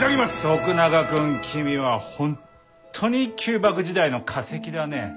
徳永君君は本当に旧幕時代の化石だね。